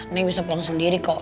ini bisa pulang sendiri kok